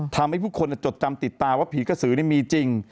ทำให้ผู้คนจดจำติดตาว่าผีกระสือนี่มีจริง